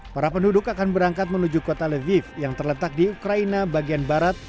para penduduk akan berangkat menuju kota leviv yang terletak di ukraina bagian barat